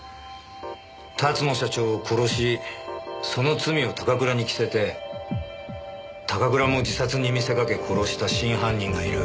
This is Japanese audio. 龍野社長を殺しその罪を高倉に着せて高倉も自殺に見せかけ殺した真犯人がいる。